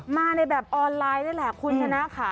มาในแบบออนไลน์นั่นแหละคุณคนน่าคะ